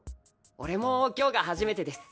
俺も今日が初めてです。